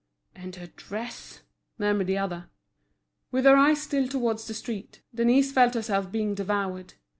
"And her dress!" murmured the other. With her eyes still towards the street, Denise felt herself being devoured.